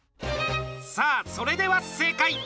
さあそれでは正解。